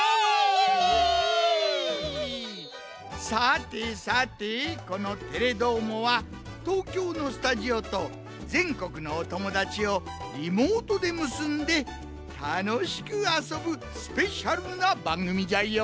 さてさてこの「テレどーも！」は東京のスタジオとぜんこくのおともだちをリモートでむすんでたのしくあそぶスペシャルなばんぐみじゃよ。